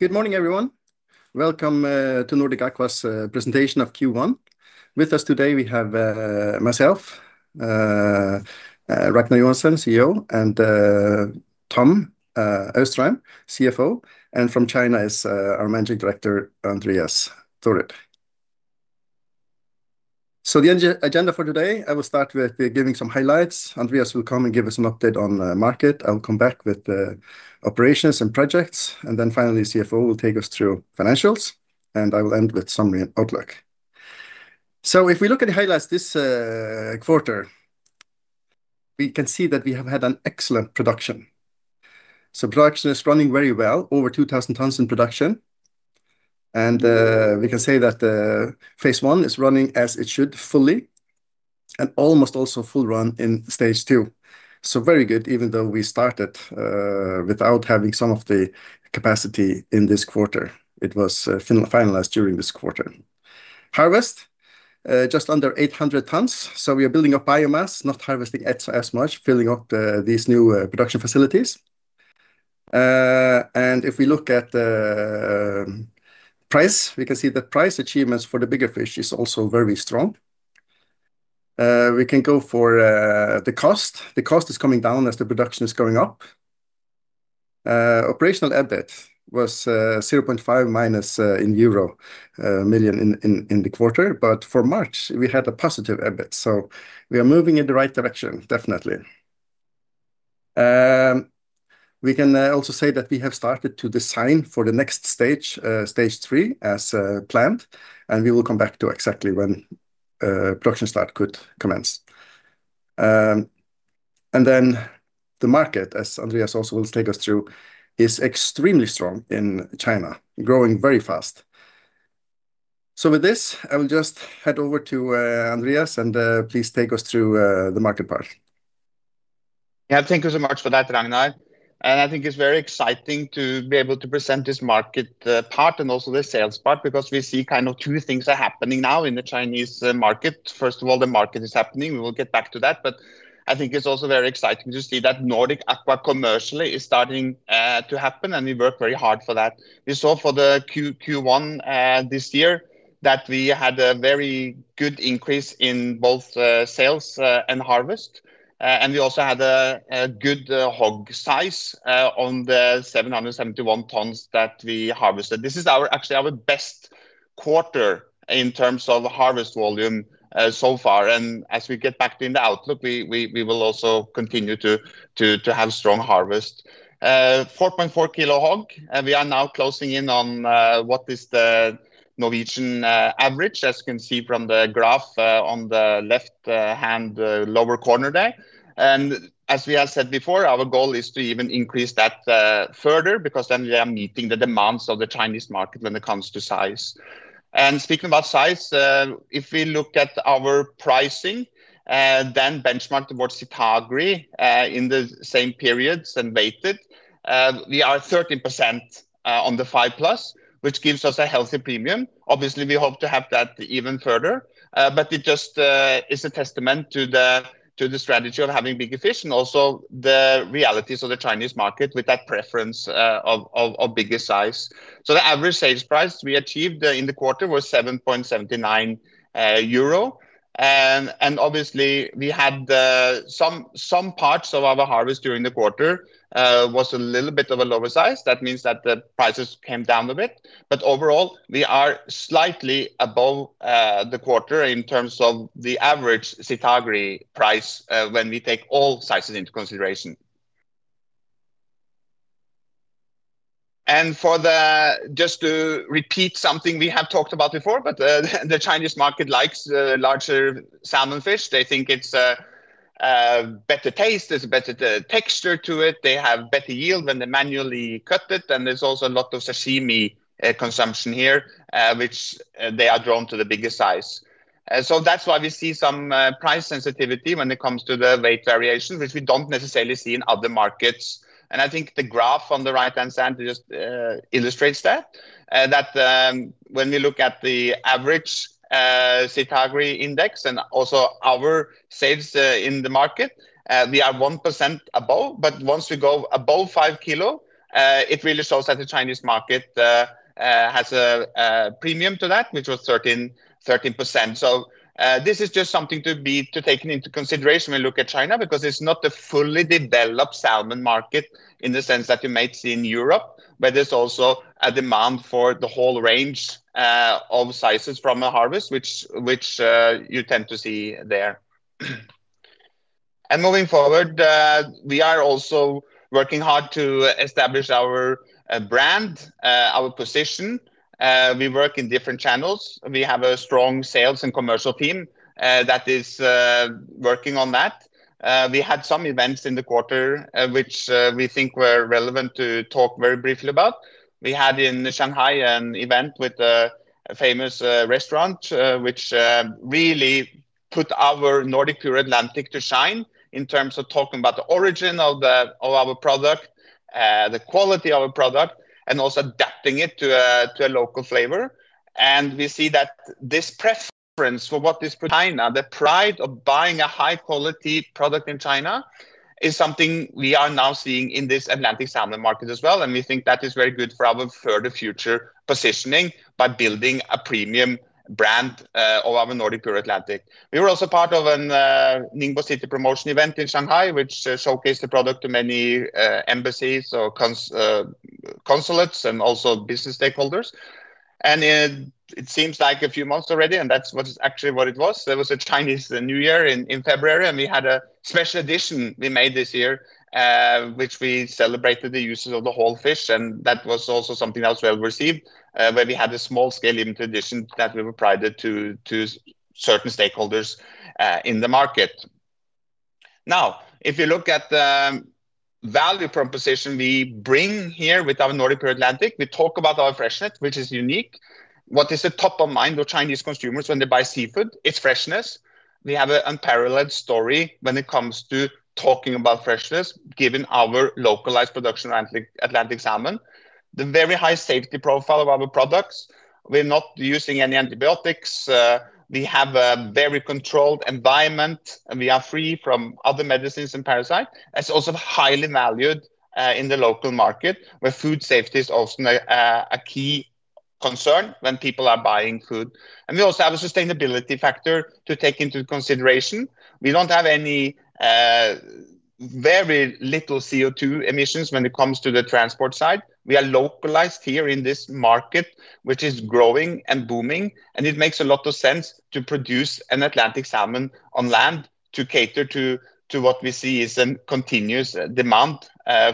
Good morning, everyone. Welcome to Nordic Aqua Partners' presentation of Q1. With us today, we have myself, Ragnar Joensen, CEO, and Tom Austrheim, CFO, and from China is our Managing Director, Andreas Thorud. The agenda for today, I will start with giving some highlights. Andreas will come and give us an update on the market. I'll come back with the operations and projects, and then finally, CFO will take us through financials, and I will end with summary and outlook. If we look at the highlights this quarter, we can see that we have had an excellent production. Production is running very well, over 2,000 tons in production. We can say that Phase 1 is running as it should fully and almost also full run in Stage 2. Very good, even though we started without having some of the capacity in this quarter. It was finalized during this quarter. Harvest, just under 800 metric tons. We are building up biomass, not harvesting as much, filling up these new production facilities. If we look at the price, we can see the price achievements for the bigger fish is also very strong. We can go for the cost. The cost is coming down as the production is going up. Operational EBIT was -0.5 million euro in the quarter. For March, we had a positive EBIT. We are moving in the right direction, definitely. We can also say that we have started to design for the next Stage 3, as planned. We will come back to exactly when production start could commence. The market, as Andreas Thorud also will take us through, is extremely strong in China, growing very fast. With this, I will just head over to Andreas and please take us through the market part. Yeah. Thank you so much for that, Ragnar. I think it's very exciting to be able to present this market part and also the sales part because we see two things are happening now in the Chinese market. First of all, the market is happening. We will get back to that, but I think it's also very exciting to see that Nordic Aqua commercially is starting to happen, and we work very hard for that. We saw for the Q1 this year that we had a very good increase in both sales and harvest. We also had a good HOG size on the 771 tons that we harvested. This is actually our best quarter in terms of harvest volume so far. As we get back in the outlook, we will also continue to have strong harvest. 4.4 kg HOG. We are now closing in on what is the Norwegian average, as you can see from the graph on the left-hand lower corner there. As we have said before, our goal is to even increase that further because then we are meeting the demands of the Chinese market when it comes to size. Speaking about size, if we look at our pricing, then benchmarked towards Sitagri in the same periods and weighted, we are 13% on the 5+ kg, which gives us a healthy premium. Obviously, we hope to have that even further. It just is a testament to the strategy of having bigger fish and also the realities of the Chinese market with that preference of bigger size. The average sales price we achieved in the quarter was 7.79 euro. Obviously we had some parts of our harvest during the quarter was a little bit of a lower size. That means that the prices came down a bit. Overall, we are slightly above the quarter in terms of the average Sitagri price when we take all sizes into consideration. Just to repeat something we have talked about before, the Chinese market likes larger salmon fish. They think it's a better taste, there's a better texture to it. They have better yield when they manually cut it, and there's also a lot of sashimi consumption here, which they are drawn to the bigger size. That's why we see some price sensitivity when it comes to the weight variation, which we don't necessarily see in other markets. I think the graph on the right-hand side just illustrates that. That when we look at the average Sitagri Index and also our sales in the market, we are 1% above. Once we go above 5 kg, it really shows that the Chinese market has a premium to that, which was 13%. This is just something to take into consideration when you look at China because it's not a fully developed salmon market in the sense that you might see in Europe. There's also a demand for the whole range of sizes from a harvest, which you tend to see there. Moving forward, we are also working hard to establish our brand, our position. We work in different channels. We have a strong sales and commercial team that is working on that. We had some events in the quarter which we think were relevant to talk very briefly about. We had in Shanghai an event with a famous restaurant, which really put our Nordic PureAtlantic to shine in terms of talking about the origin of our product, the quality of our product, and also adapting it to a local flavor. We see that this preference for what is put in China, the pride of buying a high-quality product in China, is something we are now seeing in this Atlantic salmon market as well. We think that is very good for our further future positioning by building a premium brand of our Nordic PureAtlantic. We were also part of a Ningbo city promotion event in Shanghai, which showcased the product to many embassies or consulates and also business stakeholders. It seems like a few months already, and that's actually what it was. There was a Chinese New Year in February, and we had a special edition we made this year, which we celebrated the uses of the whole fish, and that was also something else well-received, where we had a small-scale limited edition that we provided to certain stakeholders in the market. If you look at the value proposition we bring here with our Nordic PureAtlantic, we talk about our freshness, which is unique. What is at the top of mind of Chinese consumers when they buy seafood? It's freshness. We have an unparalleled story when it comes to talking about freshness, given our localized production Atlantic salmon. The very high safety profile of our products. We are not using any antibiotics. We have a very controlled environment, and we are free from other medicines and parasites. That's also highly valued in the local market, where food safety is also a key concern when people are buying food. We also have a sustainability factor to take into consideration. We don't have very little CO2 emissions when it comes to the transport side. We are localized here in this market, which is growing and booming, and it makes a lot of sense to produce an Atlantic salmon on land to cater to what we see is a continuous demand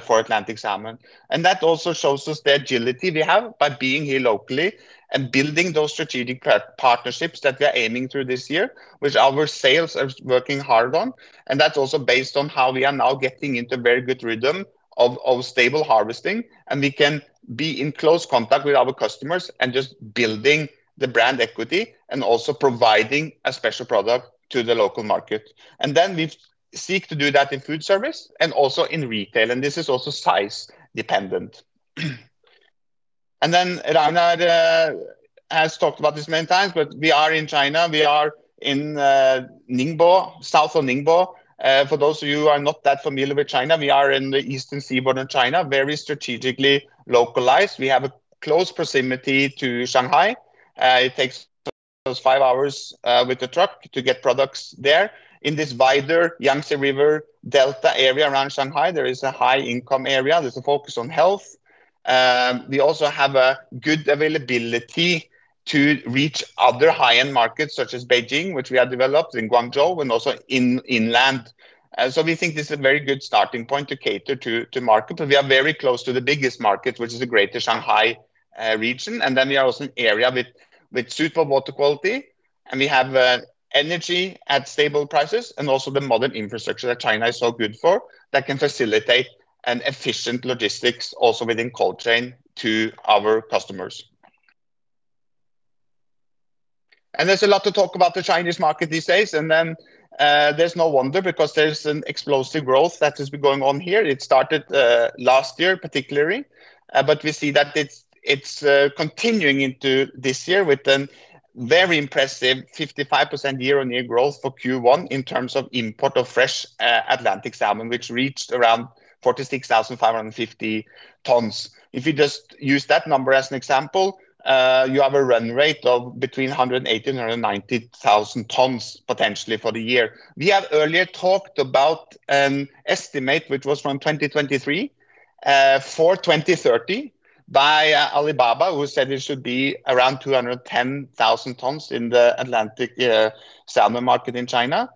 for Atlantic salmon. That also shows us the agility we have by being here locally and building those strategic partnerships that we are aiming through this year, which our sales are working hard on. That's also based on how we are now getting into a very good rhythm of stable harvesting, and we can be in close contact with our customers and just building the brand equity and also providing a special product to the local market. We seek to do that in food service and also in retail. This is also size dependent. Ragnar Joensen has talked about this many times, but we are in China. We are in Ningbo, south of Ningbo. For those of you who are not that familiar with China, we are in the eastern seaboard of China, very strategically localized. We have a close proximity to Shanghai. It takes us five hours with the truck to get products there. In this wider Yangtze River Delta area around Shanghai, there is a high-income area. There's a focus on health. We also have a good availability to reach other high-end markets such as Beijing, which we have developed, in Guangzhou, and also inland. We think this is a very good starting point to cater to market. We are very close to the biggest market, which is the greater Shanghai region. We are also an area with suitable water quality, and we have energy at stable prices and also the modern infrastructure that China is so good for that can facilitate an efficient logistics also within cold chain to our customers. There's a lot of talk about the Chinese market these days, and then there's no wonder because there's an explosive growth that has been going on here. It started last year particularly, but we see that it's continuing into this year with a very impressive 55% year-on-year growth for Q1 in terms of import of fresh Atlantic salmon, which reached around 46,550 tons. If you just use that number as an example, you have a run rate of between 180,000, 190,000 tons potentially for the year. We have earlier talked about an estimate, which was from 2023, for 2030 by Alibaba, who said it should be around 210,000 tons in the Atlantic salmon market in China.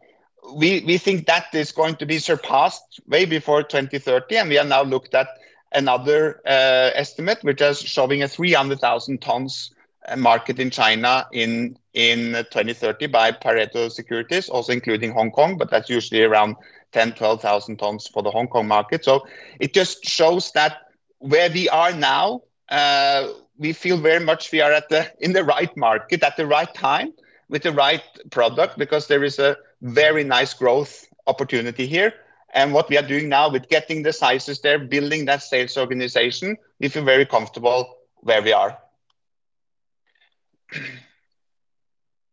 We think that is going to be surpassed way before 2030, and we have now looked at another estimate, which is showing a 300,000 tons market in China in 2030 by Pareto Securities, also including Hong Kong, but that's usually around 10,000, 12,000 tons for the Hong Kong market. It just shows that where we are now, we feel very much we are in the right market at the right time with the right product because there is a very nice growth opportunity here. What we are doing now with getting the sizes there, building that sales organization, we feel very comfortable where we are.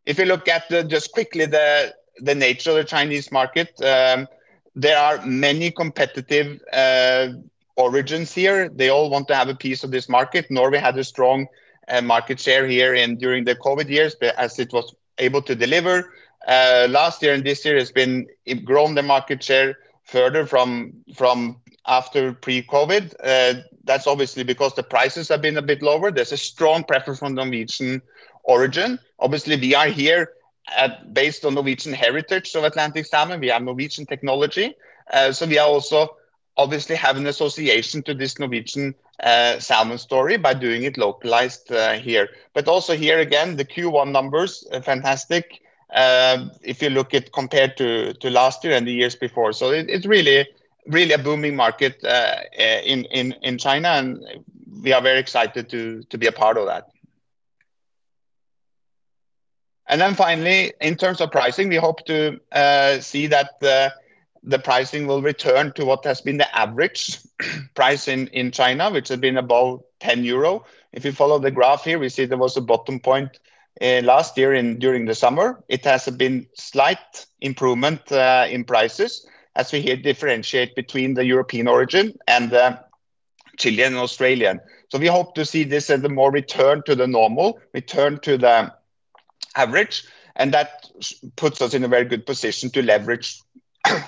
If you look at, just quickly, the nature of the Chinese market, there are many competitive origins here. They all want to have a piece of this market. Norway had a strong market share here during the COVID years as it was able to deliver. Last year and this year, it's grown the market share further from after pre-COVID. That's obviously because the prices have been a bit lower. There's a strong preference for Norwegian origin. Obviously, we are here based on Norwegian heritage of Atlantic salmon. We have Norwegian technology. We also obviously have an association to this Norwegian salmon story by doing it localized here. Also here again, the Q1 numbers are fantastic if you look at compared to last year and the years before. It's really a booming market in China, and we are very excited to be a part of that. Then finally, in terms of pricing, we hope to see that the pricing will return to what has been the average price in China, which has been about 10 euro. If you follow the graph here, we see there was a bottom point last year during the summer. It has been slight improvement in prices as we differentiate between the European origin and the Chilean, Australian. We hope to see this as the more return to the normal, return to the average, and that puts us in a very good position to leverage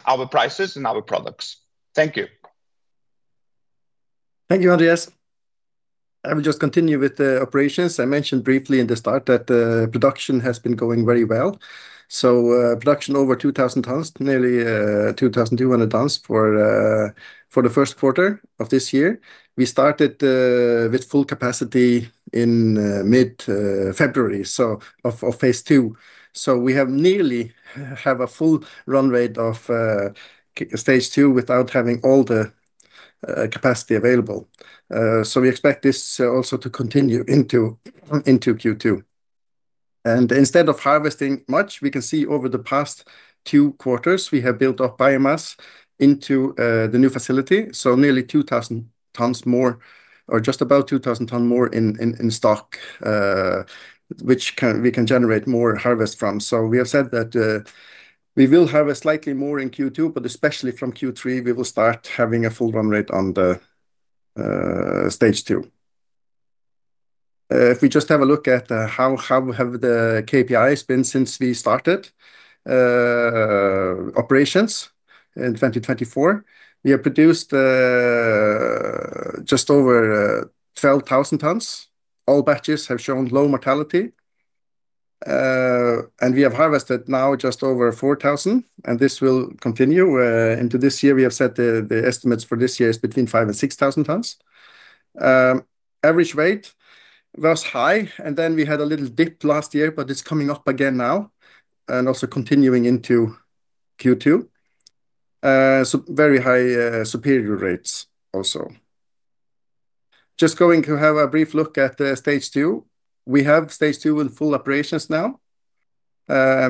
our prices and our products. Thank you. Thank you, Andreas Thorud. I will just continue with the operations. I mentioned briefly in the start that the production has been going very well. Production over 2,000 tons, nearly 2,200 tons for the first quarter of this year. We started with full capacity in mid-February of phase 2. We nearly have a full run rate of Stage 2 without having all the capacity available. We expect this also to continue into Q2. Instead of harvesting much, we can see over the past two quarters, we have built up biomass into the new facility. Nearly 2,000 tons more, or just about 2,000 tons more in stock, which we can generate more harvest from. We have said that we will harvest slightly more in Q2, especially from Q3, we will start having a full run rate on the Stage 2. If we just have a look at how have the KPIs been since we started operations in 2024. We have produced just over 12,000 tons. All batches have shown low mortality. We have harvested now just over 4,000, and this will continue into this year. We have set the estimates for this year is between 5,000 and 6,000 tons. Average weight was high, then we had a little dip last year, it's coming up again now and also continuing into Q2. Very high, superior rates also. Going to have a brief look at Stage 2. We have Stage 2 in full operations now,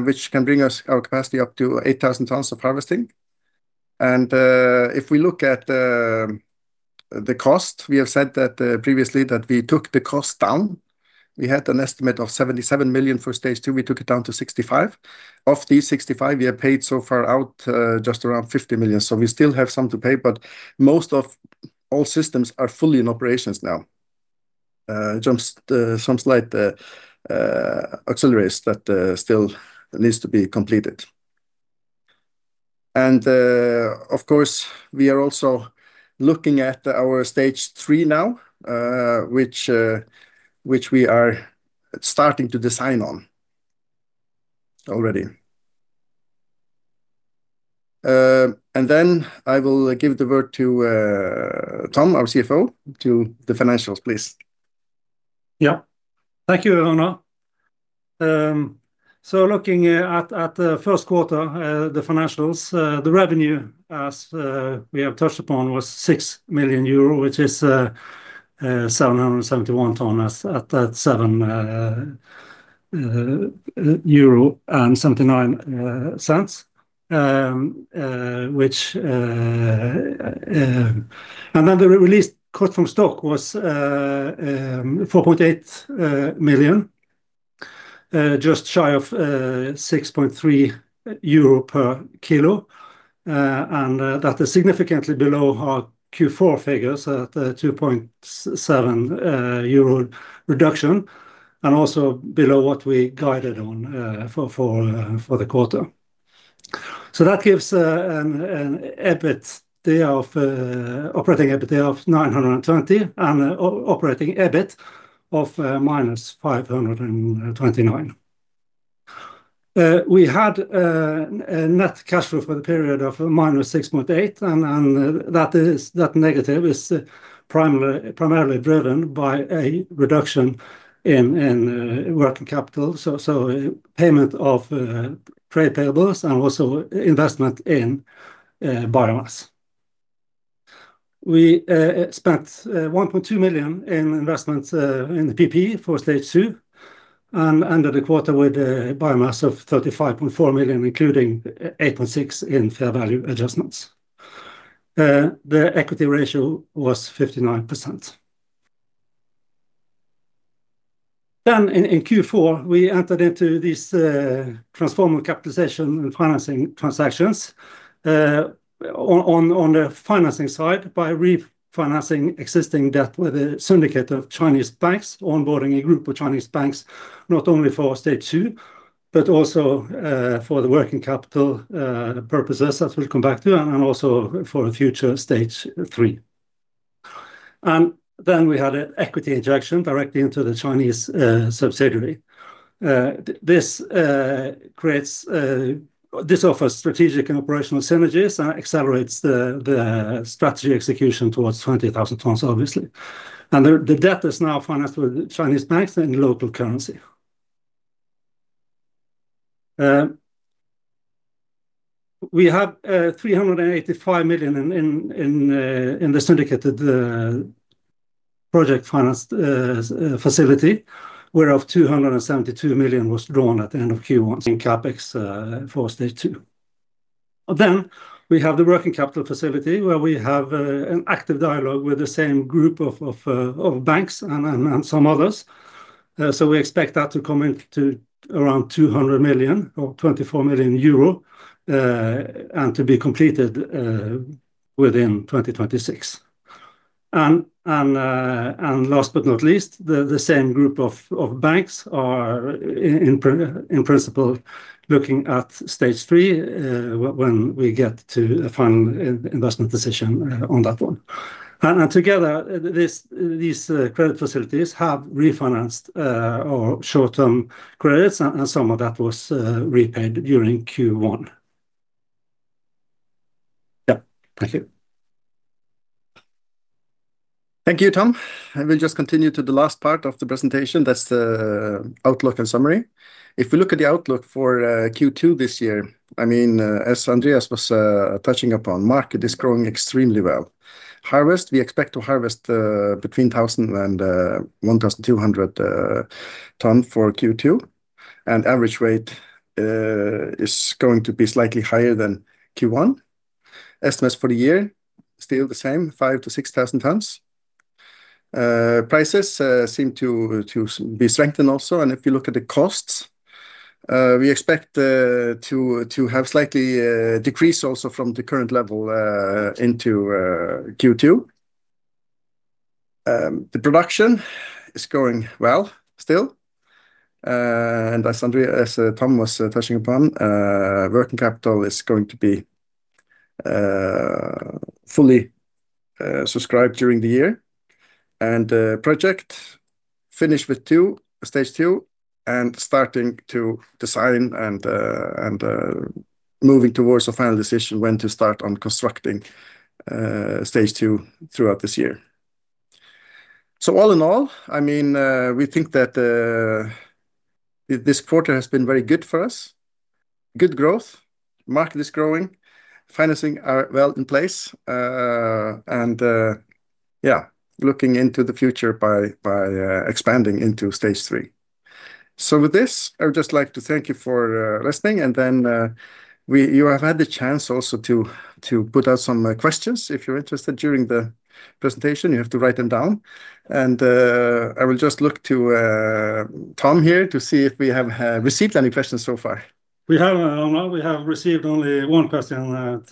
which can bring us our capacity up to 8,000 tons of harvesting. If we look at the cost, we have said that previously that we took the cost down. We had an estimate of 77 million for Stage 2. We took it down to 65. Of these 65, we have paid so far out just around 50 million. We still have some to pay, but most of all systems are fully in operations now. Some slight auxiliaries that still needs to be completed. Of course, we are also looking at our Stage 3 now, which we are starting to design on already. I will give the word to Tom, our CFO, to the financials, please. Yeah. Thank you, Ragnar. Looking at first quarter, the financials, the revenue as we have touched upon was EUR 6 million, which is 771 tons at EUR 7.79. The released cost from stock was 4.8 million, just shy of 6.3 euro per kg. That is significantly below our Q4 figures at 2.7 euro reduction, also below what we guided on for the quarter. That gives an operating EBITDA of 920 and operating EBIT of -529. We had a net cash flow for the period of -6.8, and that negative is primarily driven by a reduction in working capital, so payment of payables and also investment in biomass. We spent 1.2 million in investments in the PP&E for Stage 2 and ended the quarter with a biomass of 35.4 million, including 8.6 in fair value adjustments. The equity ratio was 59%. In Q4, we entered into this transformational financing and financing transactions on the financing side by refinancing existing debt with a syndicate of Chinese banks, onboarding a group of Chinese banks, not only for Stage 2 but also for the working capital purposes that we'll come back to, and also for future Stage 3. The debt is now financed with Chinese banks in CNY. We have 385 million in the syndicated project financed facility, whereof 272 million was drawn at the end of Q1 in CapEx for Stage 2. We have the working capital facility where we have an active dialogue with the same group of banks and some others. We expect that to come into around 200 million or 24 million euro, and to be completed within 2026. Last but not least, the same group of banks are in principle looking at Stage 3 when we get to a final investment decision on that one. Together, these credit facilities have refinanced our short-term credits and some of that was repaid during Q1. Thank you. Thank you, Tom. I will just continue to the last part of the presentation. That's the outlook and summary. If we look at the outlook for Q2 this year, as Andreas Thorud was touching upon, market is growing extremely well. Harvest, we expect to harvest between 1,000 and 1,200 tons for Q2. Average weight is going to be slightly higher than Q1. Estimates for the year, still the same, 5,000 to 6,000 tons. Prices seem to be strengthened also. If you look at the costs, we expect to have slightly decrease also from the current level into Q2. The production is going well still. As Tom was touching upon, working capital is going to be fully subscribed during the year. Project finished with Stage 2, and starting to design and moving towards a final decision when to start on constructing Stage 2 throughout this year. All in all, we think that this quarter has been very good for us. Good growth. Market is growing. Financing are well in place. Looking into the future by expanding into Stage 3. With this, I would just like to thank you for listening, and then you have had the chance also to put out some questions, if you're interested, during the presentation. You have to write them down. I will just look to Tom here to see if we have received any questions so far. We have, Ragnar. We have received only one question,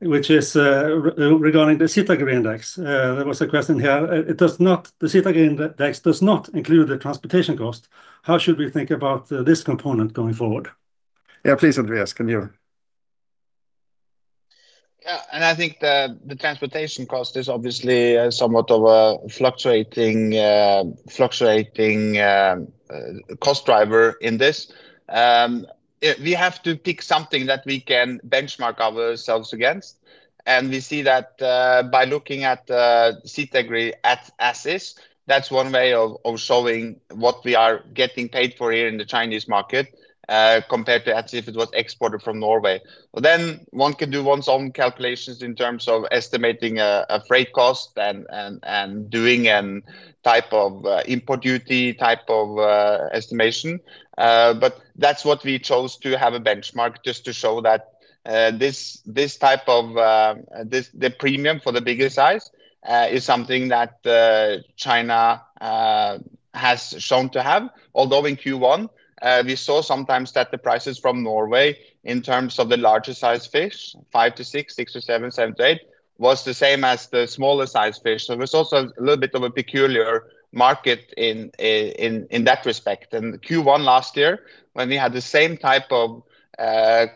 which is regarding the Sitagri Index. There was a question here. The Sitagri Index does not include the transportation cost. How should we think about this component going forward? Please, Andreas, can you? Yeah. I think the transportation cost is obviously somewhat of a fluctuating cost driver in this. We have to pick something that we can benchmark ourselves against, and we see that by looking at Sitagri at as is, that's one way of showing what we are getting paid for here in the Chinese market compared to as if it was exported from Norway. One can do one's own calculations in terms of estimating a freight cost and doing a type of import duty type of estimation. That's what we chose to have a benchmark, just to show that the premium for the bigger size is something that China has shown to have. In Q1, we saw sometimes that the prices from Norway in terms of the larger size fish, 5 kg-6 kg, 6 kg-7 kg, 7 kg-8 kg, was the same as the smaller size fish. It was also a little bit of a peculiar market in that respect. In Q1 last year, when we had the same type of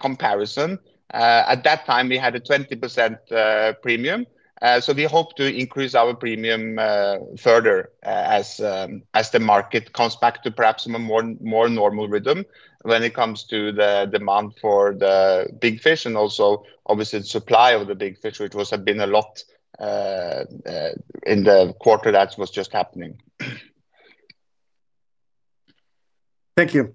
comparison, at that time, we had a 20% premium. We hope to increase our premium further as the market comes back to perhaps more normal rhythm when it comes to the demand for the big fish and also obviously the supply of the big fish, which have been a lot in the quarter that was just happening. Thank you.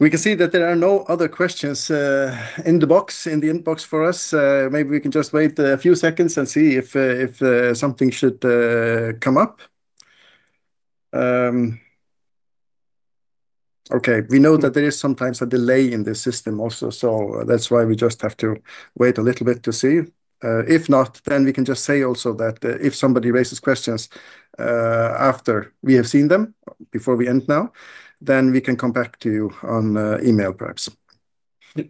We can see that there are no other questions in the inbox for us. Maybe we can just wait a few seconds and see if something should come up. Okay. We know that there is sometimes a delay in the system also, so that's why we just have to wait a little bit to see. If not, we can just say also that if somebody raises questions after we have seen them, before we end now, we can come back to you on email perhaps. Yeah.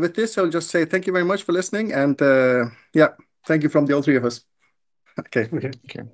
With this, I'll just say thank you very much for listening, and thank you from the all three of us. Okay. Okay. Okay.